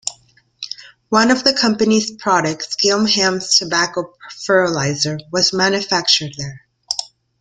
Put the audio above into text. One of the company's products, Gilham's Tobacco Fertilizer, was manufactured there.